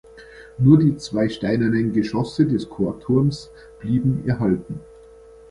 Nur die zwei steinernen Geschosse des Chorturms blieben erhalten.